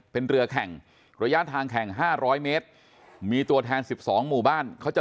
เป็นเรือแข่งระยะทางแข่ง๕๐๐เมตรมีตัวแทน๑๒หมู่บ้านเขาจะ